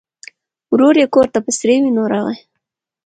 ورور یې کور ته په سرې وینو راغی.